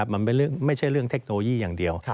มันไม่ใช่เรื่องเทคโนโลยีอย่างเดียว